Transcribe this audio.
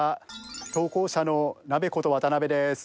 投稿者のナベこと渡邉です。